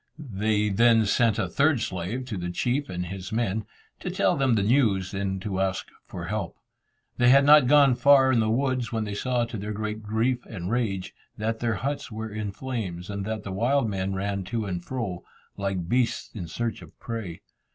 They then sent a third slave to the chief and his men, to tell them the news, and to ask for help. They had not gone far in the woods, when they saw, to their great grief and rage, that their huts were in flames, and that the wild men ran to and fro, like beasts in search of prey.